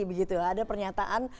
begitu ada pernyataan